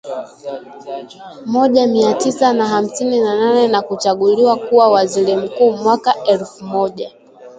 moja miatisa na hamsini na nane na kuchaguliwa kuwa waziri mkuu mwaka Elfu moja